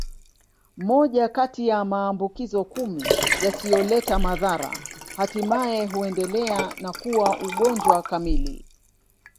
Moja kati ya maambukizo kumi yasiyoleta madhara hatimaye huendelea na kuwa ugonjwa kamili